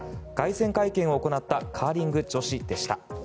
凱旋会見を行ったカーリング女子でした。